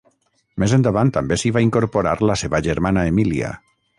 Més endavant també s'hi va incorporar la seva germana Emília.